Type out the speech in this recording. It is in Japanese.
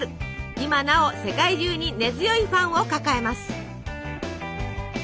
今なお世界中に根強いファンを抱えます。